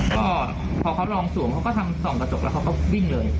ก็พอเขาลองสวมเขาก็ทำส่องกระจกแล้วเขาก็วิ่งเลย